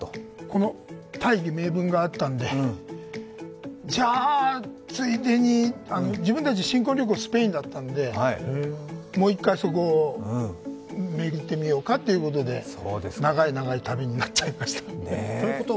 この大義名分があったんで、じゃあ、ついでに、自分たちは新婚旅行がスペインだったんで、もう一回そこを巡ってみようかということで長い長い旅になっちゃいました。